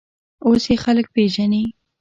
اوس یې خلک پېژني.